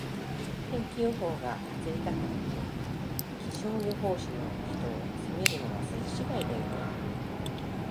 天気予報が外れたからって、気象予報士の人を責めるのは筋違いだよね。